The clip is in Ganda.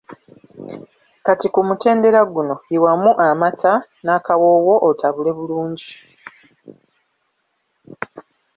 Kati ku mutendera guno yiwamu amata n'akawowo otabule bulungi.